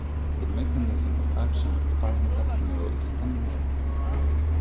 The mechanism of action of armodafinil is unknown.